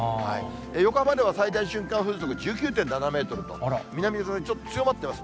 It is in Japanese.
横浜では最大瞬間風速１９．７メートルと、南風がちょっと強まっています。